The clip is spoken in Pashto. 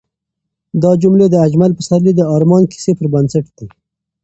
دا جملې د اجمل پسرلي د ارمان کیسې پر بنسټ دي.